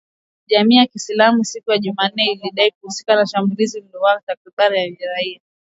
Jamii ya kiislamu siku ya Jumanne lilidai kuhusika na shambulizi lililoua takribani raia kumi na tano